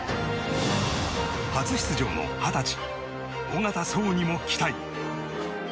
初出場の二十歳小方颯にも期待。